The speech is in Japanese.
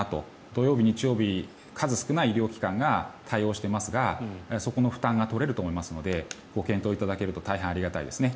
土曜日、日曜日数少ない医療機関が対応していますが、そこの負担が取れると思いますのでご検討いただけると大変ありがたいですね。